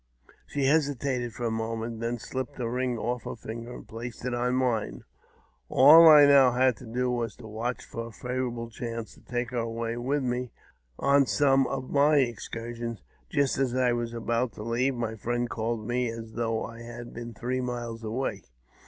She hesitated for a moment, and then slipped a ring off her finger and placed it on mine. All I now had to do was to watch for a favourable chance to take her away with me on some of my excursions. Just as I was about to leave, my friend called me as though I had been three miles away.